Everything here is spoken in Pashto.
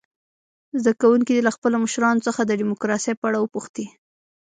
زده کوونکي دې له خپلو مشرانو څخه د ډموکراسۍ په اړه وپوښتي.